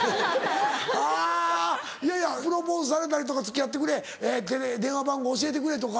はぁいやいやプロポーズされたりとか「付き合ってくれ」「電話番号教えてくれ」とか。